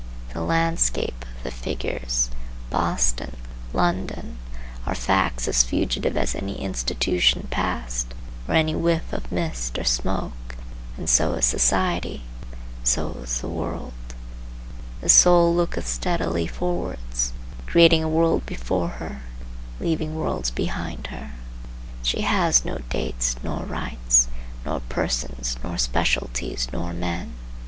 The landscape, the figures, Boston, London, are facts as fugitive as any institution past, or any whiff of mist or smoke, and so is society, and so is the world. The soul looketh steadily forwards, creating a world before her, leaving worlds behind her. She has no dates, nor rites, nor persons, nor specialties nor men.